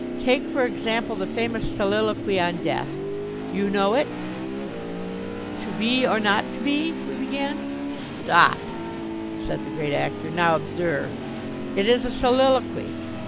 Take, for example, the famous soliloquy on death. You know it?" "'To be or not to be,'" we began. "Stop," said the Great Actor. "Now observe. It is a soliloquy.